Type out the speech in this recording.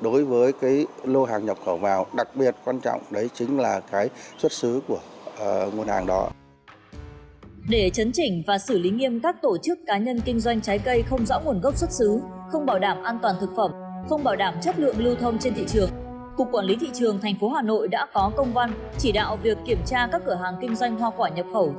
đối với cái nguồn gốc xuất xứ các cơ quan chức năng cần phải có được giám sát rất kỹ càng